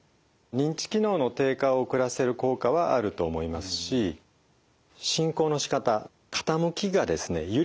認知機能の低下を遅らせる効果はあると思いますし進行のしかた傾きが緩やかになるっていうことが特徴なんですね。